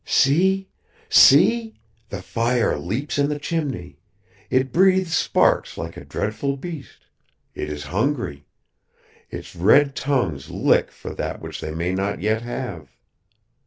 "See! See! The fire leaps in the chimney; it breathes sparks like a dreadful beast it is hungry; its red tongues lick for that which they may not yet have.